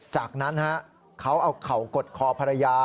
จากนั้นเขาเอาเข่ากดคอภรรยา